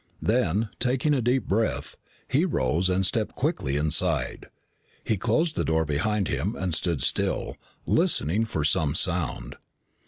Then, taking a deep breath, he rose and stepped quickly inside. He closed the door behind him and stood still, listening for some sound.